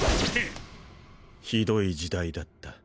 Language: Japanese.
酷い時代だった。